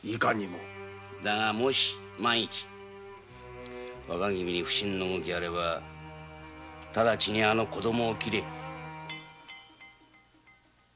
だが万一若君に不審な動きがあればただちに子供を切れ。